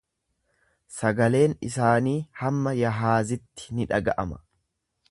Sagaleen isaanii hamma Yahaazitti ni dhaga'ama.